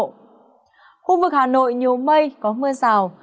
khu vực hà nội nhiều mây có mưa rào